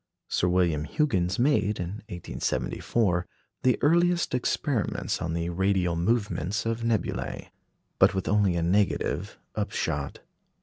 Sir William Huggins made, in 1874, the earliest experiments on the radial movements of nebulæ. But with only a negative upshot.